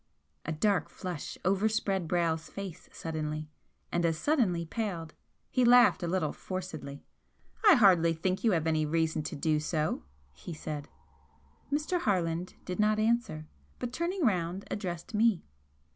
A dark flush overspread Brayle's face suddenly, and as suddenly paled. He laughed a little forcedly. "I hardly think you have any reason to do so," he said. Mr. Harland did not answer, but turning round, addressed me.